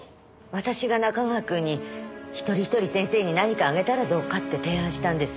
私が仲川くんに１人１人先生に何かあげたらどうかって提案したんです。